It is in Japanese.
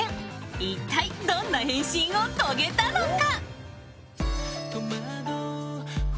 一体、どんな変身を遂げたのか？